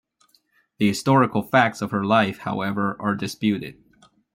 The historical facts of her life, however, are disputed.